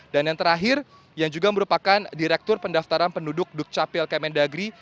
dan yang terakhir yang juga merupakan direktur pendaftaran penduduk dukcapil kementerian negeri